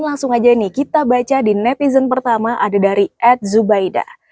langsung aja nih kita baca di netizen pertama ada dari ed zubaida